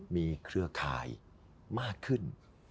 มีเครือข่ายมากขึ้น